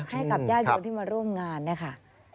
ให้กับยาโยนที่มาร่วมงานนะคะ